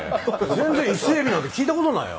全然伊勢エビなんて聞いた事ないよ。